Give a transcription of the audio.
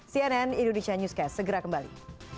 cnn indonesia newscast segera kembali